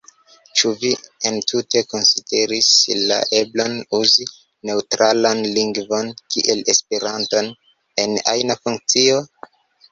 Ĉu vi entute konsideris la eblon uzi neŭtralan lingvon, kiel Esperanton, en ajna funkcio?